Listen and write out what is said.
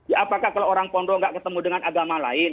apakah kalau orang pondok tidak ketemu dengan agama lain